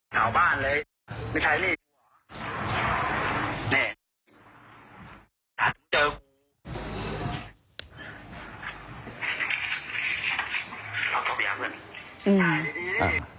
แน่หาทุกคนเจอคุณ